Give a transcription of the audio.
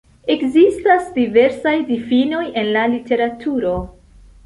Ekzistas diversaj difinoj en la literaturo.